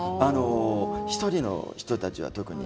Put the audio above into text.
１人の人たちは特に。